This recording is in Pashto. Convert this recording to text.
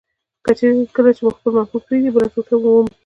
کله چي مو خپل محبوب پرېږدي، بله ټوټه مو ومري.